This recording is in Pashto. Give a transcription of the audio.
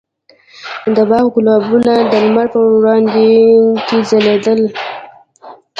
د باغ ګلابونه د لمر په وړانګو کې ځلېدل.